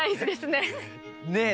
ねえ